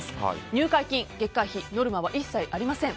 入会費、月回避、ノルマはありません。